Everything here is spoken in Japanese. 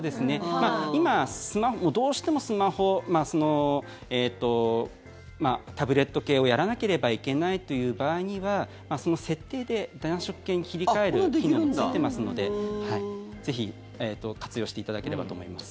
今、どうしてもスマホ、タブレット系をやらなければいけないという場合には設定で暖色系に切り替える機能がついてますのでぜひ活用していただければと思います。